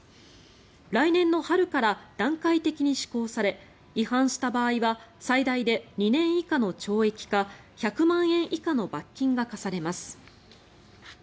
来年の春から段階的に施行され違反した場合は最大で２年以下の懲役か１００万円以下の罰金が科されます。